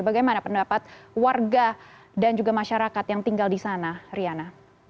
bagaimana pendapat warga dan juga masyarakat yang tinggal di sana riana